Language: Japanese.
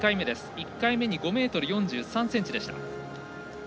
１回目に５ｍ４３ｃｍでした。